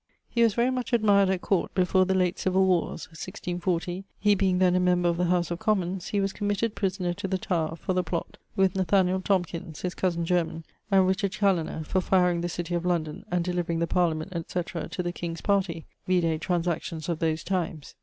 He was very much admired at Court before the late civill warres. 164 , he being then a member of the House of Commons, he was committed prisoner to the Tower, for the plott, with Tomkins (his cosen germane) and Chaloner, for firing the City of London, and delivering the Parliament, etc. to the King's partie: vide Transactions of those times.